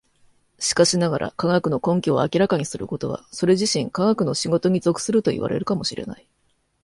しかしながら、科学の根拠を明らかにすることはそれ自身科学の仕事に属するといわれるかも知れない。